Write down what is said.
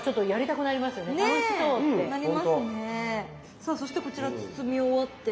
さあそしてこちら包み終わって。